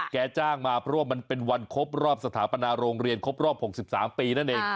แกจ้างมาเพราะว่ามันเป็นวันครบรอบสถาปนาโรงเรียนครบรอบ๖๓ปีนั่นเอง